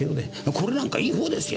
これなんかいい方ですよ。